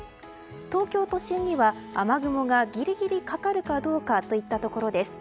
東京都心には雨雲がぎりぎりかかるかどうかといったところです。